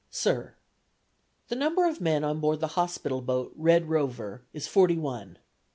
Sir: The number of men on board the hospital boat Red Rover is forty one.